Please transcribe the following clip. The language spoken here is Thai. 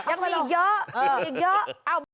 ยังมีอีกเยอะ